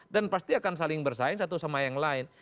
dan pasti akan saling bersaing satu sama yang lain